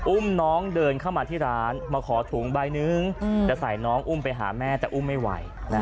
อุ้มน้องเดินเข้ามาที่ร้านมาขอถุงใบหนึ่งจะใส่น้องอุ้มไปหาแม่แต่อุ้มไม่ไหว